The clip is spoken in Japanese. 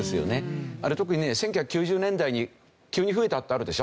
あれ特にね１９９０年代に急に増えたってあるでしょ。